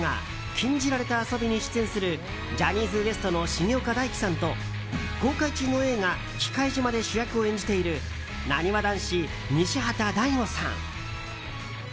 「禁じられた遊び」に出演するジャニーズＷＥＳＴの重岡大毅さんと公開中の映画「忌怪島／きかいじま」で主役を演じているなにわ男子、西畑大吾さん。